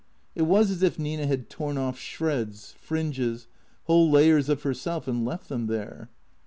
It was as if Nina had torn off shreds, fringes, whole layers of herself and left them there.